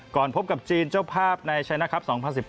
พบกับจีนเจ้าภาพในชัยนะครับ๒๐๑๙